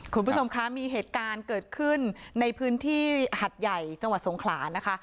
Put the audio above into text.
คุณผู้ชมคะมีเหตุการณ์เกิดขึ้นในพื้นที่หัดใหญ่จังหวัดสงขลานะคะ